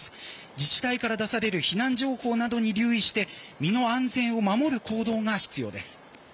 自治体から出される避難情報などに留意して身の安全を守る行動が必要です。